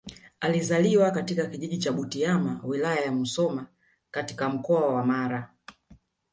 Alizaliwa katika kijiji cha Butiama Wilaya ya Musoma katika Mkoa wa Mara